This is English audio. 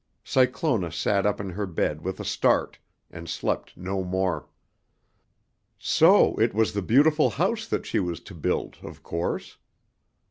Cyclona sat up in her bed with a start and slept no more. So it was the beautiful house that she was to build, of course.